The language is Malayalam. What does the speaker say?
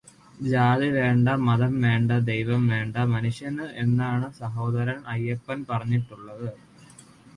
ജാതി വേണ്ട, മതം വേണ്ട, ദൈവം വേണ്ട മനുഷ്യന് എന്നാണ് സഹോദരൻ അയ്യപ്പൻ പറഞ്ഞിട്ടുള്ളത്.